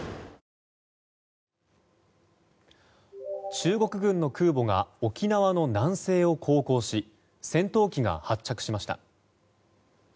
中国軍の空母が沖縄の南西を航行し戦闘機が発着しました。